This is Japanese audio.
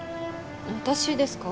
私ですか？